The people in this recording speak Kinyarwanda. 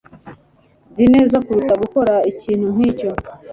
Nzi neza kuruta gukora ikintu nkicyo.